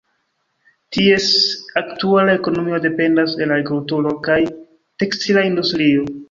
Ties aktuala ekonomio dependas el agrikulturo kaj tekstila industrio.